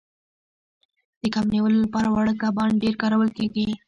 د کب نیولو لپاره واړه کبان ډیر کارول کیږي